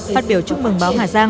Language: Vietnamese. phát biểu chúc mừng báo hà giang